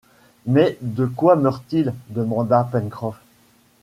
Mais de quoi meurt-il ? demanda Pencroff.